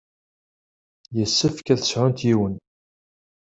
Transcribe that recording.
Yessefk ad sɛunt yiwen.